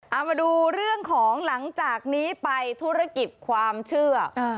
เอามาดูเรื่องของหลังจากนี้ไปธุรกิจความเชื่อ